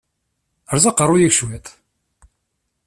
Ṛṛeẓ aqeṛṛu-yik cwiṭ!